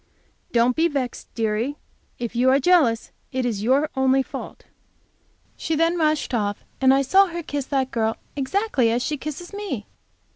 Don't be vexed, dearie; if you are jealous it is your only fault!" She then rushed off, and I saw her kiss that girl exactly as she kisses me!